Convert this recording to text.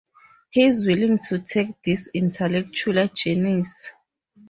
He's willing to take these intellectual journeys.